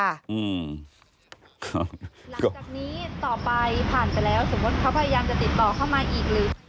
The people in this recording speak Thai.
หลังจากนี้ต่อไปผ่านไปแล้วสมมุติเขาพยายามจะติดต่อเข้ามาอีกหรือ